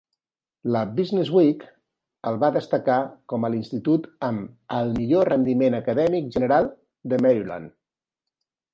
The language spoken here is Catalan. La BusinessWeek el va destacar com a l'institut amb el "Millor rendiment acadèmic general" de Maryland.